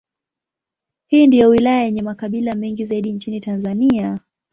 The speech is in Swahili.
Hii ndiyo wilaya yenye makabila mengi zaidi nchini Tanzania.